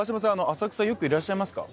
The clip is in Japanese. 浅草よくいらっしゃいますか？